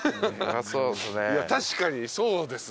いや確かにそうですね。